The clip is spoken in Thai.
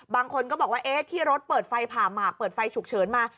บางคนก็บอกว่าที่รถเปิดไฟผ่าหมากเปิดไฟฉุกเฉินมา